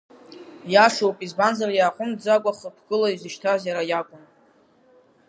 Иашоуп, избанзар иааҟәы-мҵӡакәа хықәкыла изышьҭаз иара иакәын.